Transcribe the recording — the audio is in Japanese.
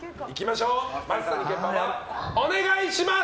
松谷家パパ、お願いします！